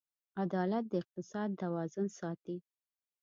عدالت د اقتصاد توازن ساتي.